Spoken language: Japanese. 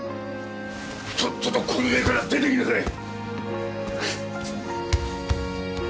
とっととこの家から出ていきなさい！